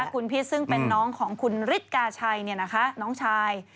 คุณพิษซึ่งเป็นน้องของคุณฤทธิกาชัยน้องชาย